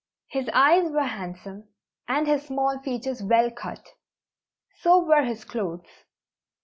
His eyes were handsome, and his small features well cut; so were his clothes.